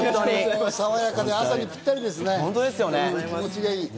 爽やかで朝にぴったりですね。